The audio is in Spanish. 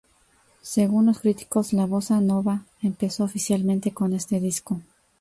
Según los críticos, la bossa nova empezó oficialmente con este disco.